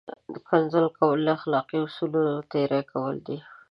کنځل کول له اخلاقي اصولو تېری کول دي!